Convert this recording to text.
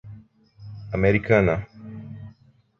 Americana